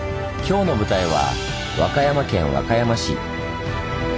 今日の舞台は和歌山県和歌山市。